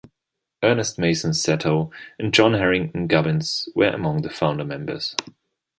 Ernest Mason Satow and John Harington Gubbins were among the founder members.